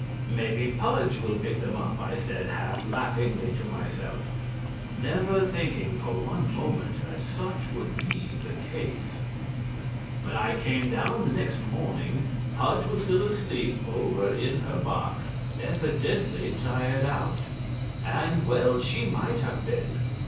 "Maybe Pudge will pick them up," I said half laughingly to myself, never thinking for one moment that such would be the case. When I came down the next morning Pudge was still asleep over in her box, evidently tired out. And well she might have been.